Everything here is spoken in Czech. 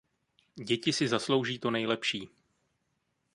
Děti si zaslouží to nejlepší.